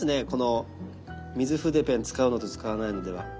この水筆ペン使うのと使わないのでは。